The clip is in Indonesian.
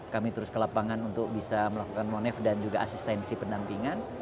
kami terus ke lapangan untuk bisa melakukan monef dan juga asistensi pendampingan